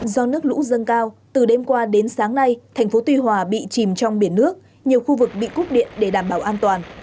do nước lũ dâng cao từ đêm qua đến sáng nay thành phố tuy hòa bị chìm trong biển nước nhiều khu vực bị cúp điện để đảm bảo an toàn